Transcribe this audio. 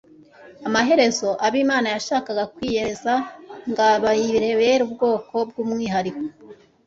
amaherezo abo imana yashakaga kwiyereza nga bayibere ubwoko bw'umwihariko